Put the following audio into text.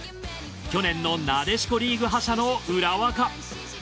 去年のなでしこリーグ覇者の浦和か？